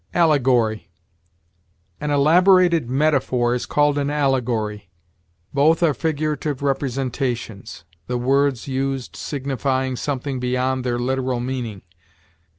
ALLEGORY. An elaborated metaphor is called an allegory; both are figurative representations, the words used signifying something beyond their literal meaning.